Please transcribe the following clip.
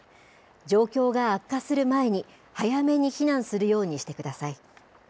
状況が悪化する前に、早めに避難するようにしてください。